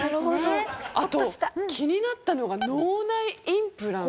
あと気になったのが脳内インプラント。